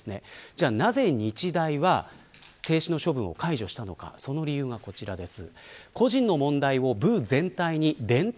では、なぜ日大は停止の処分を解除したのかその理由がこちらです。